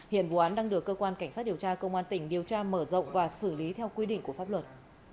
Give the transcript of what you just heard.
hiện vụ án đang được cơ quan cảnh sát điều tra công an tỉnh điều tra mở rộng và xử lý theo quy định của pháp luật